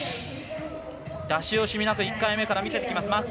出し惜しみなく１回目から見せてきます。